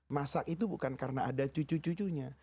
masak itu bukan karena ada cucu cucunya